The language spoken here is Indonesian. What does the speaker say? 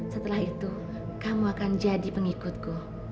setelah itu kamu akan jadi pengikutku